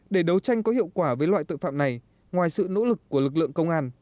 để đấu tranh có hiệu quả với loại tội phạm này ngoài sự nỗ lực của lực lượng công an